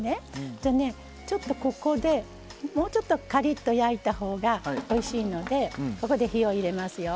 ちょっとここでもうちょっとカリッと焼いたほうがおいしいのでここで火を入れますよ。